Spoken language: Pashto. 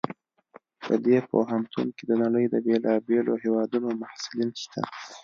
په دې پوهنتون کې د نړۍ د بیلابیلو هیوادونو محصلین شته